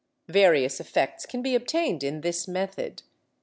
Various effects can be obtained in this method.